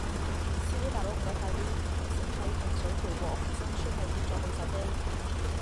司機大佬唔該快啲，頭先喺洪水橋和平新村里跌左部手機